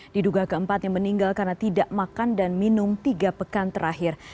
diduga keempatnya meninggal karena tidak makan dan minum tiga pekan terakhir